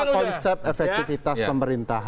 ada konsep efektifitas pemerintahan